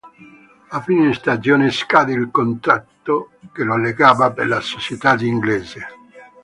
A fine stagione scade il contratto che lo legava alla società inglese.